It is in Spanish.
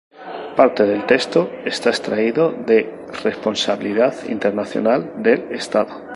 Parte del texto está extraído de Responsabilidad internacional del Estado